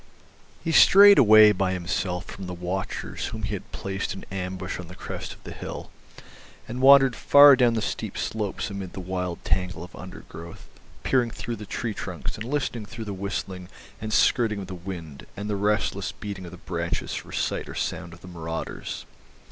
He strayed away by himself from the watchers whom he had placed in ambush on the crest of the hill, and wandered far down the steep slopes amid the wild tangle of undergrowth, peering through the tree trunks and listening through the whistling and skirling of the wind and the restless beating of the branches for sight and sound of the marauders.